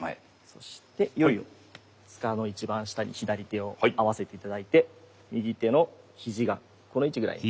そしていよいよ柄の一番下に左手を合わせて頂いて右手の肘がこの位置ぐらいに。